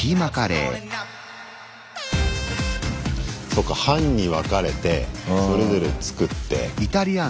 そっか班に分かれてそれぞれ作って。